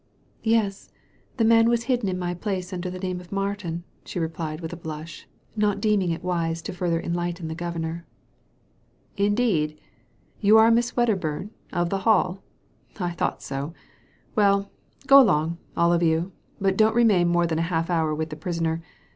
"Yes, The man was hidden in my place under the name of Martin," she replied with a blush, not deeming it wise to further enlighten the Governor. " Indeed. You are Miss Wedderbum, of the Hall ? I thought so. Well, go along, all of you, but don't remain more than half an hour with the prisoner.